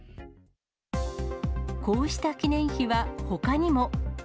こうした記念碑はほかにも。